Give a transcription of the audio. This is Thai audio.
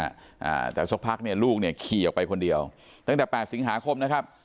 อ่าแต่สักพักเนี่ยลูกเนี่ยขี่ออกไปคนเดียวตั้งแต่แปดสิงหาคมนะครับ